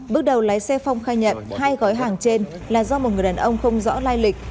bước đầu lái xe phong khai nhận hai gói hàng trên là do một người đàn ông không rõ lai lịch